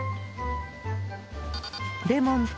レモンと